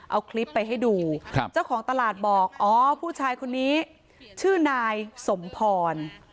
เอาคลิปไปให้ดูเจ้าของตลาดบอกอ๋อผู้ชายคนนี้ชื่อนายสมพร